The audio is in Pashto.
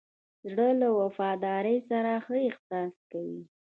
زړه له وفادارۍ سره ښه احساس کوي.